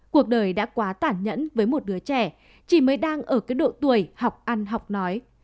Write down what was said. cuộc đời đã quá tản nhẫn với một đứa trẻ chỉ mới đang ở cái độ tuổi học ăn học nói